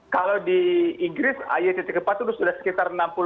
kalau di inggris ay empat itu sudah sekitar